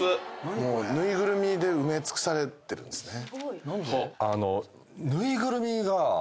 もうぬいぐるみで埋め尽くされてるんですね。